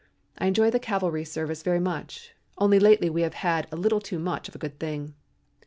I enjoy the cavalry service very much, only lately we have had a little too much of a good thing.